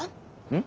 ん？